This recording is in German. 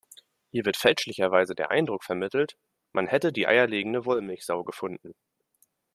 Hier wird fälschlicherweise der Eindruck vermittelt, man hätte die eierlegende Wollmilchsau gefunden.